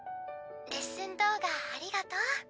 レッスン動画ありがとう。